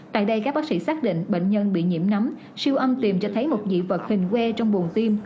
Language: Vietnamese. tại đây các bác sĩ xác định bệnh nhân bị nhiễm nấm siêu âm tìm cho thấy một dị vật hình que trong buồn tim